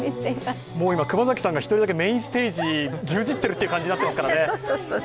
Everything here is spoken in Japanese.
今、熊崎さんが１人だけメインステージ、牛耳ってる感じになってますからね。